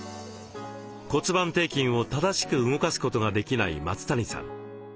骨盤底筋を正しく動かすことができない松谷さん